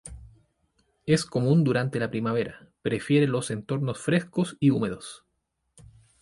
Es común durante la primavera, prefiere los entornos frescos y húmedos.